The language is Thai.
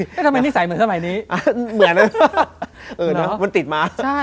เหมือนนะมันติดมา